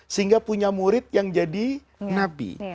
sehingga punya murid yang jadi nabi